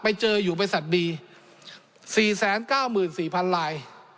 ไปเจออยู่บริษัทดีสี่แสนเก้าหมื่นสี่พันลาย